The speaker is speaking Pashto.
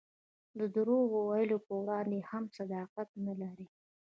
د درواغ ویلو په وړاندې هم صداقت نه لري.